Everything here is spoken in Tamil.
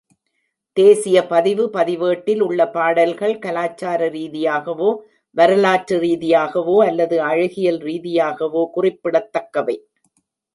தேசிய பதிவு பதிவேட்டில் உள்ள பாடல்கள் கலாச்சார ரீதியாகவோ, வரலாற்று ரீதியாகவோ அல்லது அழகியல் ரீதியாகவோ குறிப்பிடத்தக்கவை.